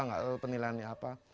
nggak tahu penilaiannya apa